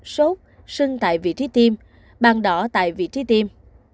sốt sưng tại vị trí tiêm bằng đỏ tại vị trí tiêm